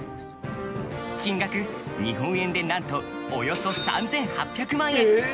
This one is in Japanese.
金額、日本円でなんとおよそ３８００万円。